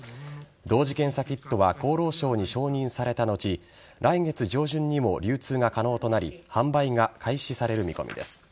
同時検査キットは厚労省に承認された後来月上旬にも流通が可能となり販売が開始される見込みです。